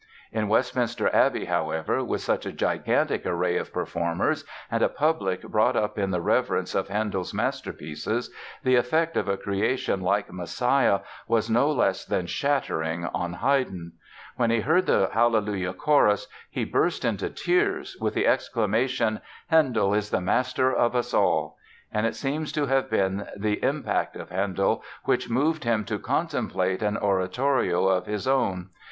In Westminster Abbey, however, with such a gigantic array of performers and a public brought up in the reverence of Handel's masterpieces the effect of a creation like "Messiah" was no less than shattering on Haydn. When he heard the "Hallelujah" chorus he burst into tears with the exclamation "Handel is the master of us all!" And it seems to have been the impact of Handel which moved him to contemplate an oratorio of his own.